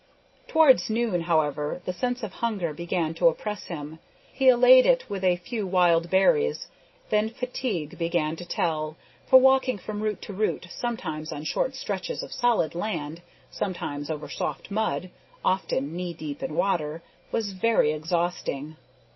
Towards noon, however, the sense of hunger began to oppress him. He allayed it with a few wild berries. Then fatigue began to tell, for walking from root to root sometimes on short stretches of solid land, sometimes over soft mud, often knee deep in water, was very exhausting.